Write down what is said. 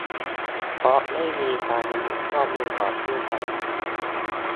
เพราะไม่มีการระบุข้อมูลของผู้ใช้